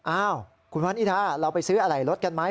อ้าวคุณวันนิทาเราไปซื้ออะไรรถกันไหม